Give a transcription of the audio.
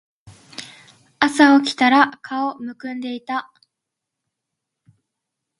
朝起きたら顔浮腫んでいた